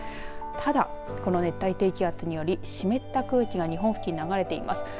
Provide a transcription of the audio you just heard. ただこの熱帯低気圧により湿った空気が日本付近に流れ込んでいます。